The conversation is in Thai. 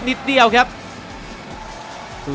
สนามโรงเรียนสมุทรสาคอนวุฒิชัย